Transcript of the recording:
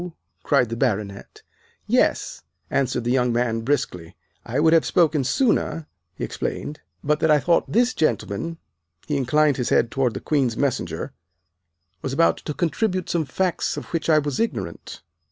cried the Baronet. "Yes," answered the young man briskly. "I would have spoken sooner," he explained, "but that I thought this gentleman" he inclined his head toward the Queen's Messenger "was about to contribute some facts of which I was ignorant.